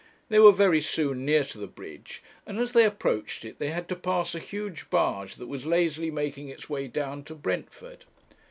They were very soon near to the bridge, and as they approached it, they had to pass a huge barge, that was lazily making its way down to Brentford.